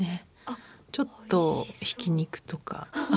ちょっとひき肉とか。